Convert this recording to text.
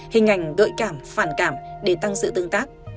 hình ảnh gợi cảm phản cảm để tăng sự tương tác